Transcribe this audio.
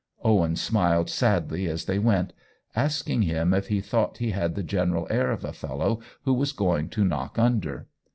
Owen smiled sadly as they went, asking him if he thought he had the general air of a fellow who was going to knock under.